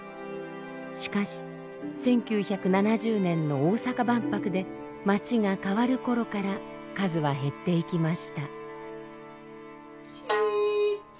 しかし１９７０年の大阪万博で街が変わる頃から数は減っていきました。